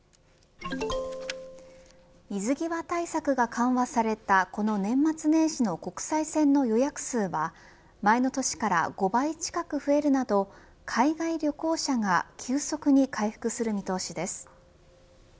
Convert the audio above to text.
水際対策が緩和されたこの年末年始の国際線の予約数は、前の年から５倍近く増えるなど海外旅行者が急速に回復する見通しです。